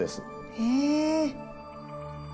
へえ。